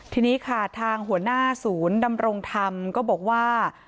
ทีนี้ค่ะทางหัวหน้าศูนย์ดำรงธรรมก็บอกว่า